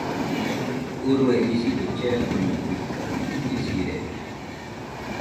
Urue isido cherakoño guiga , isirede.